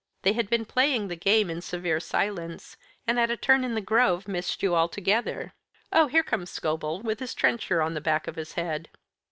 They had been playing the game in severe silence, and at a turn in the grove missed you altogether. Oh, here comes Scobel, with his trencher on the back of his head."